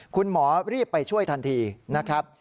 คุณหมอรีบไปช่วยทันทีนะครับ